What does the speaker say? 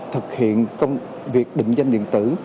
thực hiện công việc định danh điện tử